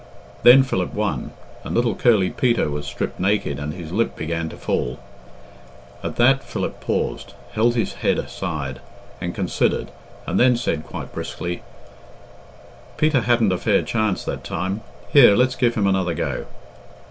Then Philip won, and little curly Peter was stripped naked, and his lip began to fall. At that Philip paused, held his head aside, and considered, and then said quite briskly, "Peter hadn't a fair chance that time here, let's give him another go."